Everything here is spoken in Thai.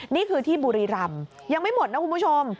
นี่คือที่บุรีรำยังไม่หมดนะคุณผู้ชม